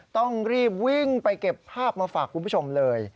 ต้องรีบวิ่งไปเก็บภาพมาฝากคุณผู้ชมเลย